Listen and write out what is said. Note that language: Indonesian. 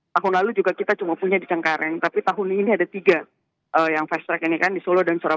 tahun lalu juga kita cuma punya di cengkareng tapi tahun ini ada tiga yang fast track ini kan di solo dan surabaya